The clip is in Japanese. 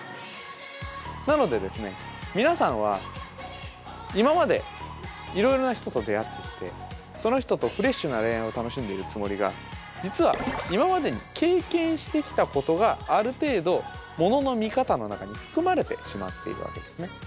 なのでですね皆さんは今までいろいろな人と出会ってきてその人とフレッシュな恋愛を楽しんでいるつもりが実は今までに経験してきたことがある程度ものの見方の中に含まれてしまっているわけですね。